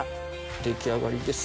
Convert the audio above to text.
出来上がりです。